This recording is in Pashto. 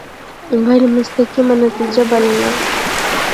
غیر مستقیمه نتیجه بلله.